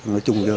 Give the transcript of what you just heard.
nói chung vô